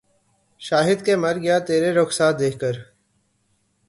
شاید کہ مر گیا ترے رخسار دیکھ کر